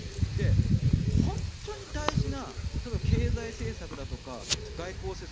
本当に大事な例えば経済政策だとか外交政策